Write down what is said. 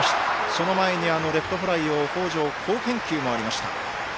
その前にレフトフライ北條、好返球がありました。